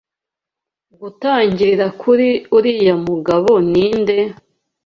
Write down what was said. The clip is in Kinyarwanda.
Gutangirira kuri uriya mugabo ninde?